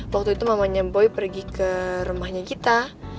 waktu itu mamanya boy pergi ke rumahnya kita